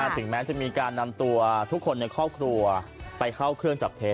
ถึงแม้จะมีการนำตัวทุกคนในครอบครัวไปเข้าเครื่องจับเท็